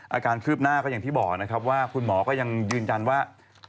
อาการเคลือบหน้าก็อย่างที่บอกว่าคุณหมอก็ยังยืนยันว่า